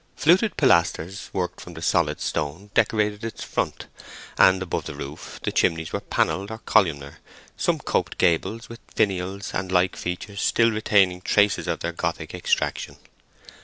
Fluted pilasters, worked from the solid stone, decorated its front, and above the roof the chimneys were panelled or columnar, some coped gables with finials and like features still retaining traces of their Gothic extraction.